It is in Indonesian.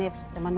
tidak pakai yang